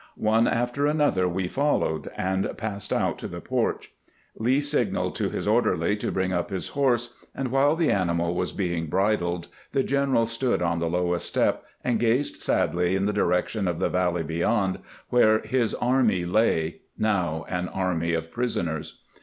One after another we followed, and passed out to the porch. Lee signaled to his orderly to bring up his horse, and while the animal was being bridled the general stood on the lowest step, and gazed sadly in the direction of the valley beyond, where his army lay — now an army of prisoners.